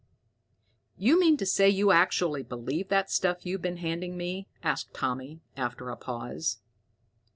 "You mean to say you actually believe that stuff you've been handing me?" asked Tommy, after a pause.